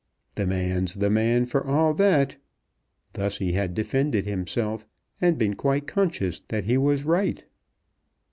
"The man's the man for a' that." Thus he had defended himself and been quite conscious that he was right.